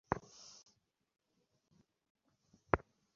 তিনি এখানে দস্তুরমত একটি আকর্ষণ হইয়া পড়িয়াছেন।